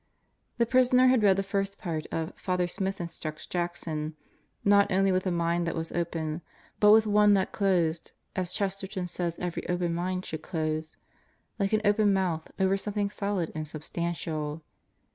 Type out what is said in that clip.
The prisoner had read the first part of Father Smith Instructs Jackson not only with a mind that was open, but with one that closed, as Chesterton says every open mind should close: "like an open mouth, over something solid and substantial."